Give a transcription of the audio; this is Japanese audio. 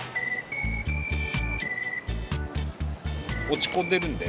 落ち込んでるんで。